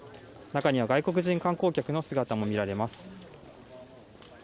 中には外国人観光客の姿も見られます。